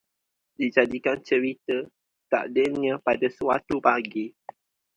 Dijadikan cerita, takdirnya pada suatu pagi